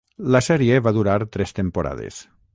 La sèrie va durar tres temporades.